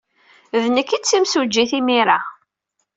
D nekk ay d timsujjit imir-a.